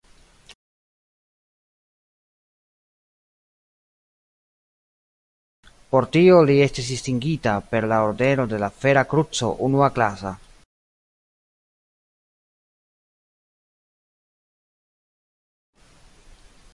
Por tio li estis distingita per la ordeno de la Fera Kruco unuaklasa.